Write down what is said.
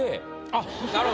あっなるほど。